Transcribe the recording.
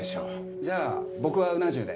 じゃあ僕はうな重で。